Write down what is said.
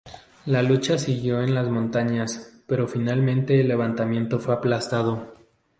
La lucha siguió en las montañas, pero finalmente el levantamiento fue aplastado.